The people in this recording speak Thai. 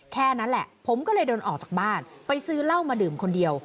แค่นั้นแหละผมก็เลยเดินออกจากบ้านไปซื้อเหล้ามาดื่มคนเดียว